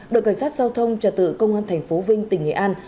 đội cảnh sát giao thông trả tự công an tp vinh tỉnh nghệ an